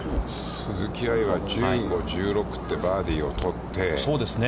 鈴木愛が１５、１６とバーディーを取って。